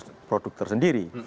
satu produk tersendiri